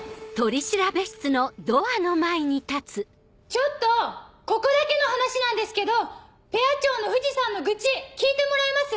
ちょっとここだけの話なんですけどペア長の藤さんの愚痴聞いてもらえます？